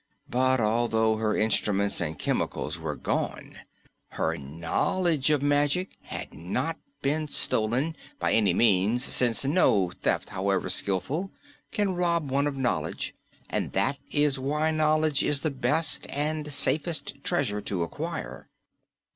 But although her instruments and chemicals were gone, her KNOWLEDGE of magic had not been stolen, by any means, since no thief, however skillful, can rob one of knowledge, and that is why knowledge is the best and safest treasure to acquire.